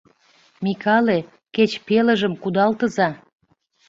Микале, кеч пелыжым кудалтыза.